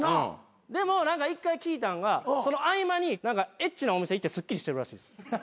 でも一回聞いたんがその合間にエッチなお店行ってすっきりしてるらしいです。